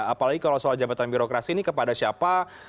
apalagi kalau soal jabatan birokrasi ini kepada siapa